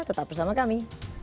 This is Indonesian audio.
tetap bersama kami